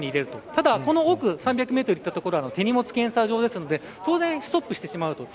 ただ、この奥３００メートルほど行った所は手荷物検査場なので当然ストップしてしまうと。